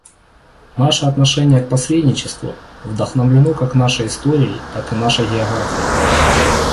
Наше отношение к посредничеству вдохновлено как нашей историей, так и нашей географией.